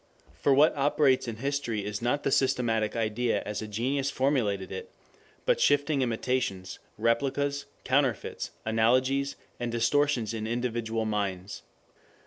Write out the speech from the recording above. For what operates in history is not the systematic idea as a genius formulated it, but shifting imitations, replicas, counterfeits, analogies, and distortions in individual minds.